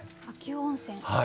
秋保温泉。